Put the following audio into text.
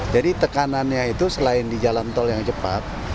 jadi tekanannya itu selain di jalan tol yang cepat